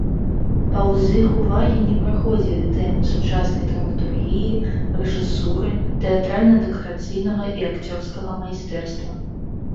Паўз іх увагі не праходзілі тэмы сучаснай драматургіі, рэжысуры, тэатральна-дэкарацыйнага і акцёрскага майстэрства.